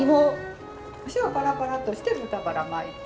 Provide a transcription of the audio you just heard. お塩をパラパラっとして豚バラ巻いて。